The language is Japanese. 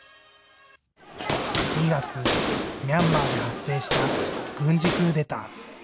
２月、ミャンマーで発生した軍事クーデター。